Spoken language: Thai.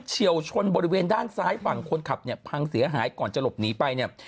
เชี่ยวชนบริเวณด้านซ้ายฝั่งคนขับเนี่ยพังเสียหายก่อนจะหลบหนีไปเนี่ย